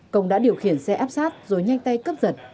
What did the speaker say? công đã điều khiển xe áp sát rồi nhanh tay cướp giật